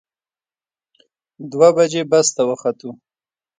دوه بجې بس ته وختو.